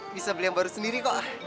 bisa beli yang baru sendiri kok